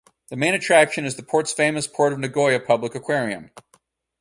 The main attraction is the port's famous Port of Nagoya Public Aquarium.